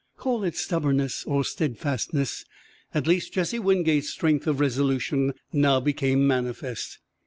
Call it stubbornness or steadfastness, at least Jesse Wingate's strength of resolution now became manifest.